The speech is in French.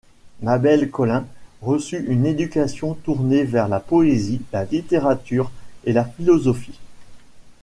Mabel Collins reçut une éducation tournée vers la poésie, la littérature et la philosophie.